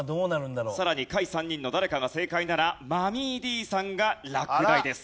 さらに下位３人の誰かが正解ならＭｕｍｍｙ−Ｄさんが落第です。